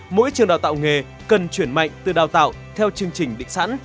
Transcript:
mỗi trường đào tạo nghề cần chuyển mạnh từ đào tạo theo chương trình định sẵn